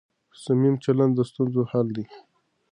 صمیمي چلند د ستونزو حل دی.